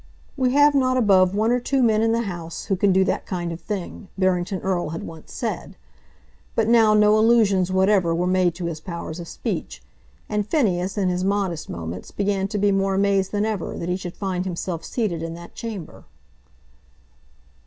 "We have not above one or two men in the House who can do that kind of thing," Barrington Erle had once said. But now no allusions whatever were made to his powers of speech, and Phineas in his modest moments began to be more amazed than ever that he should find himself seated in that chamber.